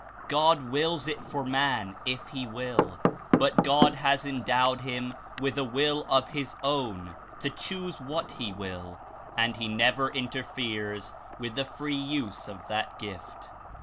God wills it for man, if he will, but God has endowed him with a will of his own to choose what he will, and he never interferes with the ^^^!: free use of that gift.